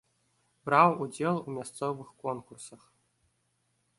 Браў удзел у мясцовых конкурсах.